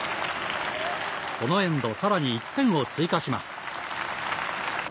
このエンドさらに１点を追加します。